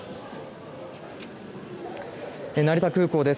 成田空港です。